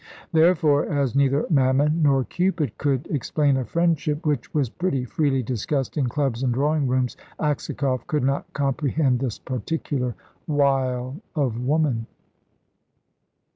Therefore, as neither Mammon nor Cupid could explain a friendship which was pretty freely discussed in clubs and drawing rooms, Aksakoff could not comprehend this particular wile of woman.